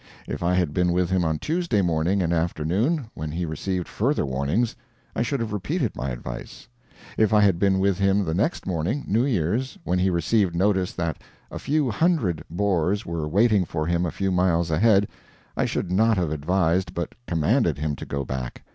If I had been with him on Tuesday morning and afternoon, when he received further warnings, I should have repeated my advice. If I had been with him the next morning New Year's when he received notice that "a few hundred" Boers were waiting for him a few miles ahead, I should not have advised, but commanded him to go back.